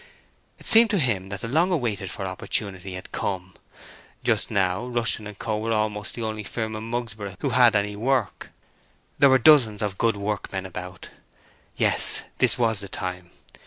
It seemed to him that the long waited for opportunity had come. Just now Rushton & Co. were almost the only firm in Mugsborough who had any work. There were dozens of good workmen out. Yes, this was the time.